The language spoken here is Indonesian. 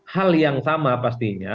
hal yang sama pastinya